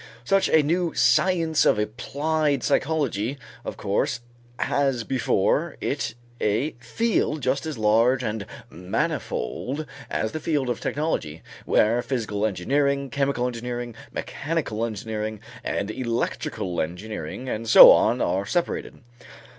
Such a new science of applied psychology of course has before it a field just as large and manifold as the field of technology, where physical engineering, chemical engineering, mechanical engineering, and electrical engineering and so on are separated.